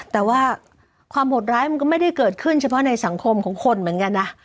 แต่ว่าความโหดร้ายมันก็ไม่ได้เกิดขึ้นเฉพาะในสังคมของคนเหมือนกันนะ